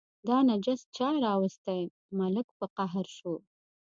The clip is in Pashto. دا نجس چا راوستی، ملک په قهر شو.